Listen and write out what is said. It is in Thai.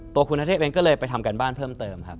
ตัวคุณอาเทพเองก็เลยไปทำการบ้านเพิ่มเติมครับ